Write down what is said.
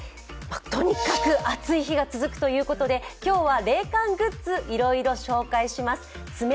とにかく暑い日が続くということで今日は冷感グッズ、いろいろ紹介します。